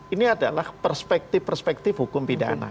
ini adalah perspektif perspektif hukum pidana